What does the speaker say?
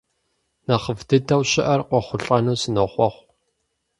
Нэхъыфӏ дыдэу щыӏэр къохъулӏэну сынохъуэхъу.